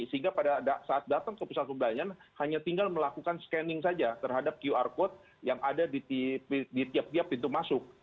sehingga pada saat datang ke pusat perbelanjaan hanya tinggal melakukan scanning saja terhadap qr code yang ada di tiap tiap pintu masuk